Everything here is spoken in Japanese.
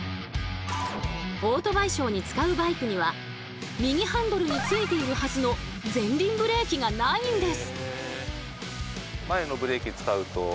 オートバイショーに使うバイクには右ハンドルについているはずの前輪ブレーキがないんです。